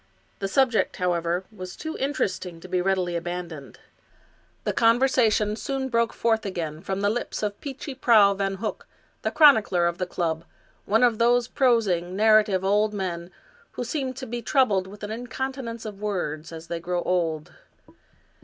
The subject, however, was too interesting to be readily abandoned. The conversation soon broke forth again from the lips of Peechy Prauw Van Hook, the chronicler of the club, one of those prosing, narrative old men who seem to be troubled with an incontinence of words as they grow old.